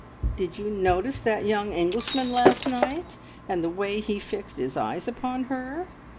Did you notice that young Englishman last night, and the way he fixed his eyes upon her?